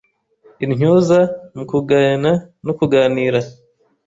Intyoza mu kugayana no kuganira.